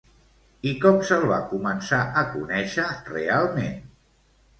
I com se'l va començar a conèixer realment?